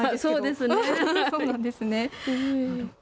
そうですね。